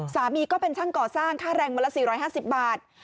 ก็เป็นช่างก่อสร้างค่าแรงวันละ๔๕๐บาท